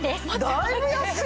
だいぶ安いね！